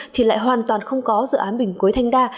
thì lại hoàn toàn không có dự án bình cuối thanh đa